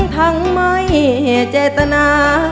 ทั้งไม่เจตนา